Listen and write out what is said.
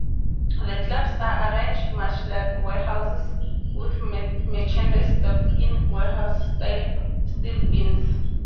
The clubs are arranged much like warehouses, with merchandise stocked in warehouse-style steel bins.